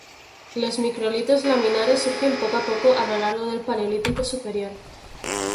Los microlitos laminares surgen poco a poco a lo largo del Paleolítico Superior.